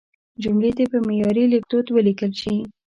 جملې دې په معیاري لیکدود ولیکل شي.